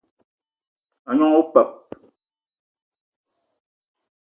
A gnong opeup